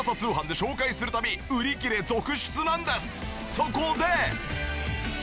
そこで！